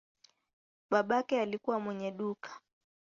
Babake alikuwa mwenye duka.